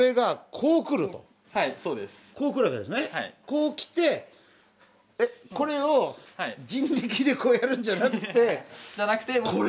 こう来てこれを人力でこうやるんじゃなくてこれ？